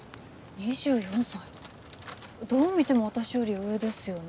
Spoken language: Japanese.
２４歳どう見ても私より上ですよね